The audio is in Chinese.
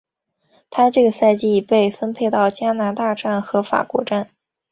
她这个赛季被分配到加拿大站和法国站。